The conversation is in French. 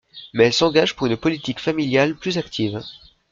Mais elle s'engage pour une politique familiale plus active.